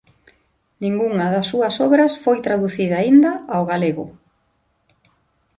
Ningunha das súas obras foi traducida aínda ao galego.